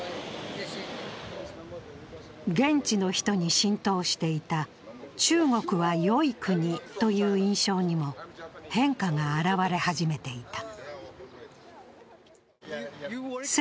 現地の人に浸透していた中国は良い国という印象にも変化が表れ始めていた。